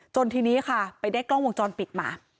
ทีนี้ค่ะไปได้กล้องวงจรปิดมา